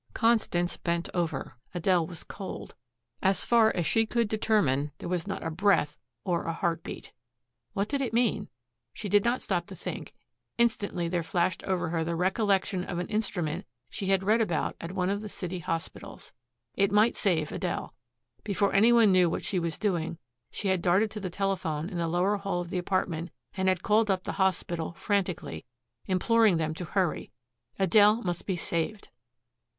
Constance bent over. Adele was cold. As far as she could determine there was not a breath or a heart beat! What did it mean? She did not stop to think. Instantly there flashed over her the recollection of an instrument she had read about at one of the city hospitals, It might save Adele. Before any one knew what she was doing she had darted to the telephone in the lower hall of the apartment and had called up the hospital frantically, imploring them to hurry. Adele must be saved.